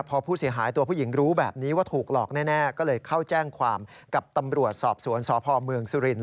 พอผู้เสียหายตัวผู้หญิงรู้แบบนี้ว่าถูกหลอกแน่ก็เลยเข้าแจ้งความกับตำรวจสอบสวนสพเมืองสุรินท